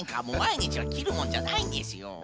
もうまいにちはきるもんじゃないんですよ。